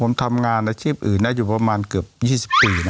ผมทำงานอาชีพอื่นอยู่ประมาณเกือบ๒๐ปี